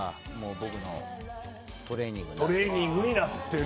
トレーニングになってる。